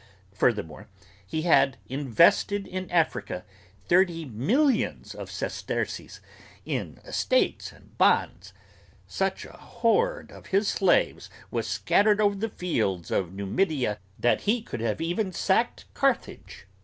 Furthermore, he had, invested in Africa, thirty millions of sesterces in estates and bonds; such a horde of his slaves was scattered over the fields of Numidia that he could have even sacked Carthage!